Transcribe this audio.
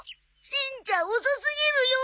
しんちゃん遅すぎるよ。